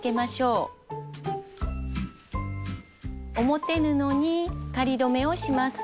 表布に仮留めをします。